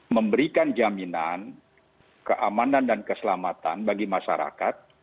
memberikan jaminan keamanan dan keselamatan bagi masyarakat